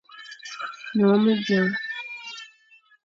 Nyongh me biang.